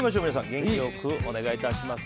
元気良くお願いします。